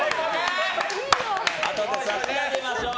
あとで差し上げましょう。